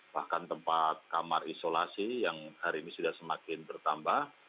bahkan tempat kamar isolasi yang hari ini sudah semakin bertambah